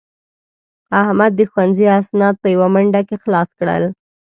احمد د ښوونځي اسناد په یوه منډه کې خلاص کړل.